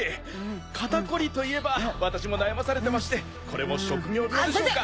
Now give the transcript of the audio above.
肩こりといえば私も悩まされてましてこれも職業病でしょうか。